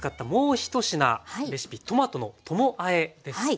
レシピトマトのともあえですね。